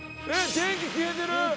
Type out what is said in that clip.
電気消えてる！